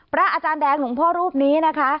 อาจารย์แดงหลวงพ่อรูปนี้นะคะ